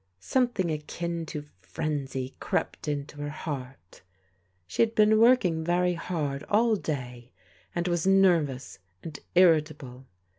Something akin to frenzy crept into her heart. She had been working very hard all day, and was nen ous, and irritable.